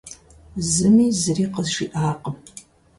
Зыми зыри къызжиӀакъым.